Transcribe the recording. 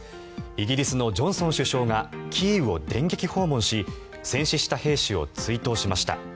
イギリスのジョンソン首相がキーウを電撃訪問し戦死した兵士を追悼しました。